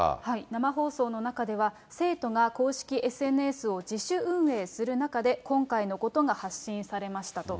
生放送の中では、生徒が公式ＳＮＳを自主運営する中で、今回のことが発信されましたと。